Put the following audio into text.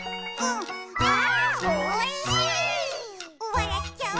「わらっちゃう」